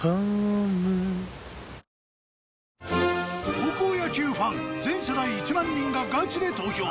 高校野球ファン全世代１万人がガチで投票！